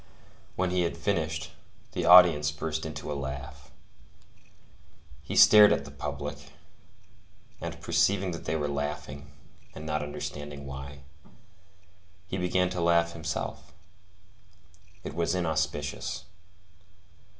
When he had finished, the audience burst into a laugh. He stared at the public, and, perceiving that they were laughing, and not understanding why, he began to laugh himself. It was inauspicious.